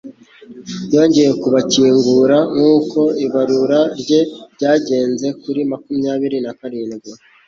Yongeye kubakingura nkuko ibarura rye ryageze kuri makumyabiri na karindwi